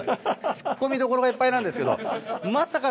ツッコミどころがいっぱいなんですけど。